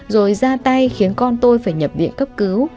rồi ra tay khiến con tôi phải nhập viện cấp cứu